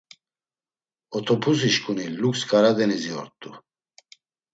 Otopusişǩuni Lux Karadenizi ort̆u.